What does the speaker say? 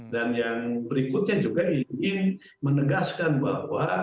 dan yang berikutnya juga ingin menegaskan bahwa